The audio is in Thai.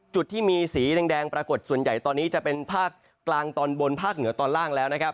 จุดที่มีสีแดงปรากฏส่วนใหญ่ตอนนี้จะเป็นภาคกลางตอนบนภาคเหนือตอนล่างแล้วนะครับ